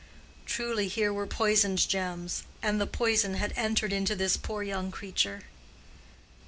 Truly here were poisoned gems, and the poison had entered into this poor young creature.